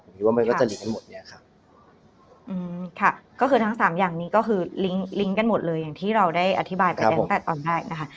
คิดว่ามันก็จะมีทั้งหมดเนี้ยครับอืมค่ะก็คือทั้งสามอย่างนี้ก็คือลิงลิงก์กันหมดเลยอย่างที่เราได้อธิบายไปตั้งแต่ตอนแรกนะคะ